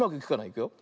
いくよ。